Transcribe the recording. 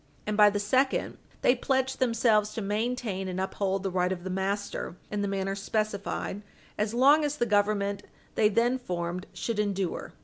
And by the second, they pledge themselves to maintain and uphold the right of the master in the manner specified, as long as the Government they then formed should endure.